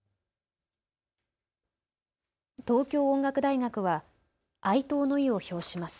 東京音楽大学は哀悼の意を表します。